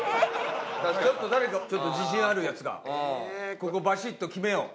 ちょっと誰かちょっと自信あるヤツがここバシッと決めよう。